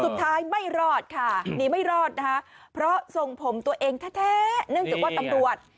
ไม่รอดค่ะหนีไม่รอดนะคะเพราะทรงผมตัวเองแท้เนื่องจากว่าตำรวจ